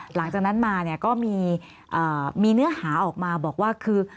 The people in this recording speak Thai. หลังจากนั้นมาเนี่ยก็มีเนื้อหาออกมาบอกว่าคือ